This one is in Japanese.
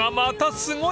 すごい。